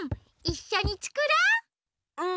いっしょにつくろう！